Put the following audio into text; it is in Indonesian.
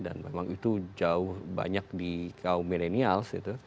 dan memang itu jauh banyak di kaum milenial